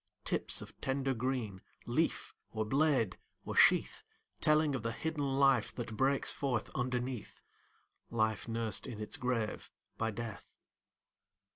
Tips of tender green, Leaf, or blade, or sheath; Telling of the hidden life That breaks forth underneath, Life nursed in its grave by Death.